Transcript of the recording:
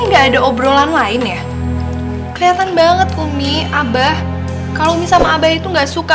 enggak ada obrolan lainnya kelihatan banget umi abah kalau misalnya abah itu nggak suka